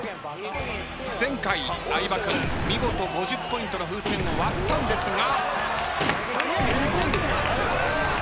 前回相葉君見事５０ポイントの風船を割ったんですが。